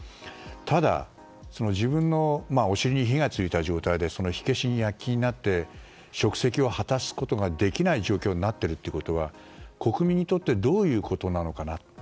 ただ、自分のお尻に火が付いた状態で火消しに躍起になって職責を果たすことができない状況になっていることが国民にとってどういうことなのかなと。